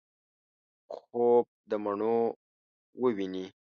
خوب دمڼو وویني